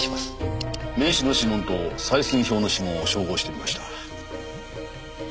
名刺の指紋と採寸表の指紋を照合してみました。